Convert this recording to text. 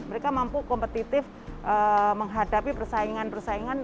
mereka mampu kompetitif menghadapi persaingan persaingan